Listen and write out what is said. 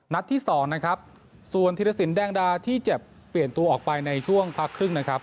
ที่สองนะครับส่วนธิรสินแดงดาที่เจ็บเปลี่ยนตัวออกไปในช่วงพักครึ่งนะครับ